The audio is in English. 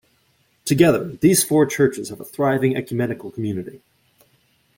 Together, these four churches have a thriving ecumenical community.